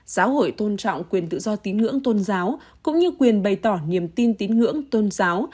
giáo hội tôn trọng quyền tự do tín ngưỡng tôn giáo cũng như quyền bày tỏ niềm tin tín ngưỡng tôn giáo